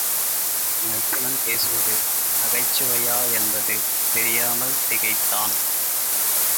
மைத்துனன் பேசுவது நகைச்சுவையா என்பது தெரியாமல் திகைத்தான்.